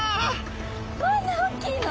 こんなおっきいの？